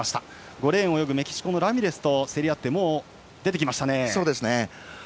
５レーンを泳ぐメキシコのラミレスと競り合ってもう出てきましたね。